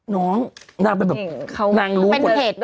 น้องน่าเป็นแบบ